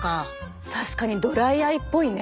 確かにドライアイっぽいね。